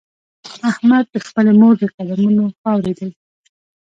احمد د خپلې مور د قدمونو خاورې دی.